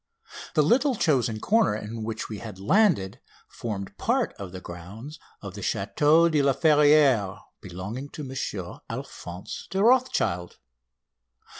The little chosen corner in which we had landed formed part of the grounds of the Chateau de la Ferrière, belonging to M. Alphonse de Rothschild.